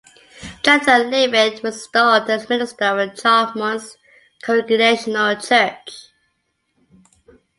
Jonathan Leavitt was installed as the minister of Charlemont's Congregational Church.